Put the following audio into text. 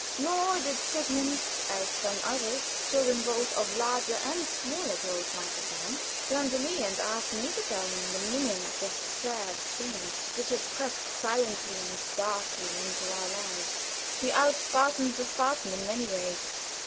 Nor did Sigmund, as some others, children both of larger and smaller growth, might have done, turn to me and ask me to tell him the meaning of the sad change which had crept silently and darkly into our lives. He outspartaned the Spartan in many ways.